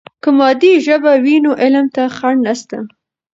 که مادي ژبه وي نو علم ته خنډ نسته.